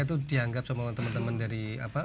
itu dianggap sama teman teman dari apa